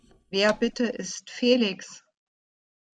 Wer bitte ist Felix?